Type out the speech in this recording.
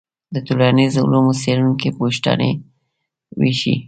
د ټولنیزو علومو څېړونکي پوښتنپاڼې ویشي.